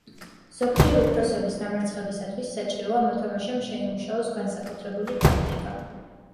ზოგჯერ, უფროსების დამარცხებისათვის საჭიროა მოთამაშემ შეიმუშაოს განსაკუთრებული ტაქტიკა.